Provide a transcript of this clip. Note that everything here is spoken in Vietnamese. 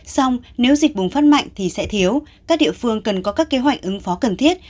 xong nếu dịch bùng phát mạnh thì sẽ thiếu các địa phương cần có các kế hoạch ứng phó cần thiết